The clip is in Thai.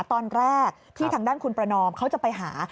ขอบคุณผู้ชมก่อนนะตอนแรกที่ทางด้านคุณประนอมเขาจะไปหา